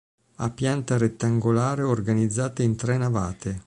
Ha pianta rettangolare organizzata in tre navate.